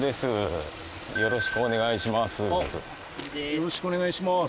よろしくお願いします。